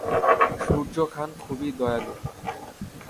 সূর্য খান খুবই দয়ালু।